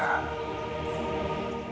percayalah tuhli sayang